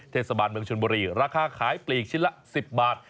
เทศบาลเมืองชนบุรีราคาขายปลีกชิ้นละ๑๐บาท